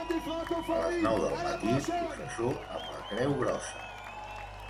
A les nou del matí, processó amb la Creu Grossa.